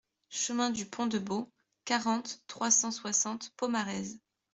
Chemin du Pont du Bos, quarante, trois cent soixante Pomarez